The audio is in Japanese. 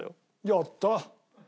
やった！